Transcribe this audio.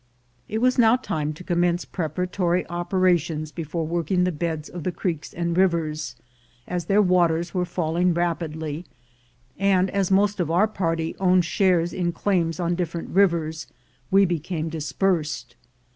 It was now time to commence preparatory opera tions before working the beds of the creeks and rivers, as their waters were falling rapidly; and as most of our party owned shares in claims on different rivers, we became dispersed.